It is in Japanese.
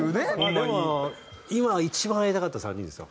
でも今一番会いたかった３人ですよ